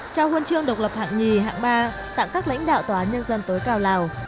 trao huân chương độc lập hạng nhì hạng ba tặng các lãnh đạo tòa án nhân dân tối cao lào